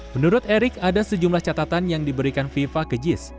menurut erick ada sejumlah catatan yang diberikan fifa ke jis